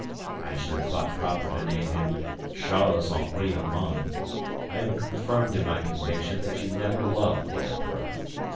As you have thought proper to name him Charles Henri Armand I am confirmed in my conviction that you never loved the emperor.